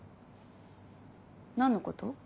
何のこと？